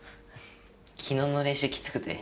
きのうの練習きつくて。